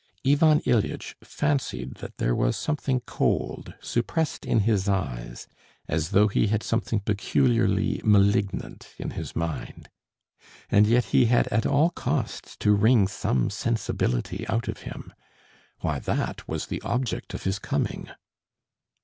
Ivan Ilyitch fancied that there was something cold, suppressed in his eyes, as though he had something peculiarly malignant in his mind. And yet he had at all costs to wring some sensibility out of him. Why, that was the object of his coming.